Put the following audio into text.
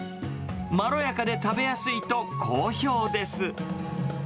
まろやかで食べやすいと好評です。